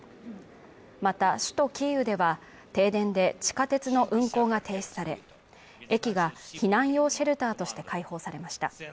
また、首都キーウでは停電で地下鉄の運行が停止され、駅が避難用シェルターとして開放されました。